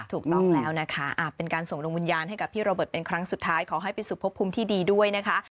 ถูกต้องแล้วนะคะเป็นการส่งดวงวิญญาณให้กับพี่โรเบิร์ตเป็นครั้งสุดท้ายขอให้ไปสู่พบภูมิที่ดีด้วยนะคะ